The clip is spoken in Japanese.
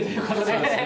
そうですね。